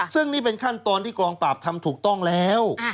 ซึ่งนี่เป็นขั้นตอนที่กองปราบทำถูกต้องแล้ว